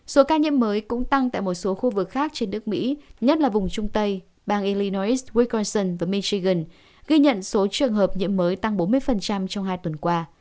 số ca nhiễm mới cũng tăng tại một số khu vực khác trên nước mỹ nhất là vùng trung tây bang elinois wisconson và michigan ghi nhận số trường hợp nhiễm mới tăng bốn mươi trong hai tuần qua